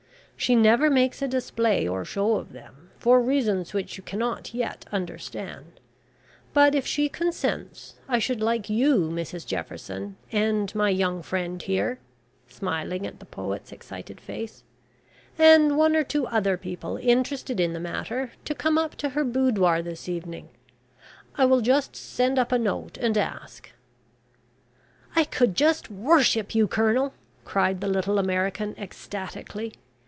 She never makes a display or show of them, for reasons which you cannot yet understand, but, if she consents, I should like you, Mrs Jefferson, and my young friend here (smiling at the poet's excited face), and one or two other people interested in the matter, to come up to her boudoir this evening. I will just send up a note and ask." "I could just worship you, Colonel," cried the little American, ecstatically.